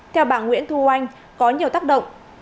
theo bà nguyễn thu oanh